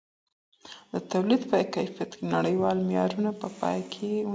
د توليد په کيفيت کي نړيوال معيارونه په پام کي ونيسئ.